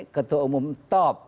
ketua umum top